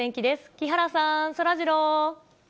木原さん、そらジロー。